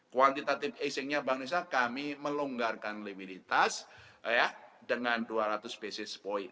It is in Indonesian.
kuantitatif asingnya bank indonesia kami melonggarkan limititas dengan dua ratus basis point